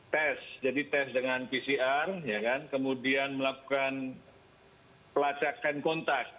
tes jadi tes dengan pcr kemudian melakukan pelacakan kontak